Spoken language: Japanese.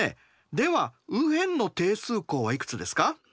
では右辺の定数項はいくつですか？